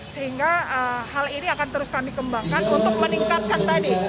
sehingga hal ini akan terus kami kembangkan untuk meningkatkan tadi